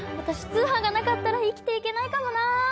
私通販がなかったら生きていけないかもな！